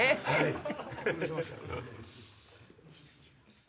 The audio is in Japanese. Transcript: はい。